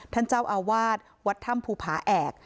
ท่านเจ้าอาวาสวัดถ้ำภูผาแอก